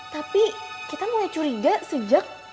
tapi kita mulai curiga sejak